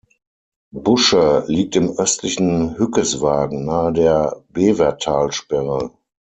Busche liegt im östlichen Hückeswagen nahe der Bevertalsperre.